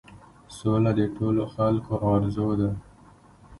سوله د ټولو خلکو آرزو ده.